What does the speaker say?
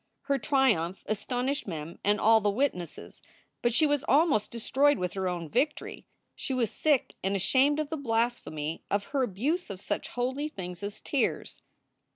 Her triumph astonished Mem and all the witnesses. But she was almost destroyed with her own victory. She was sick and ashamed of the blasphemy of her c,buse of such holy things as tears.